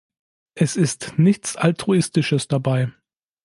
Es ist nichts Altruistisches dabei.